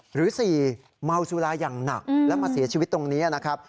หรือ๔เมาสุราอย่างหนักแล้วมาเสียชีวิตตรงนี้นะครับ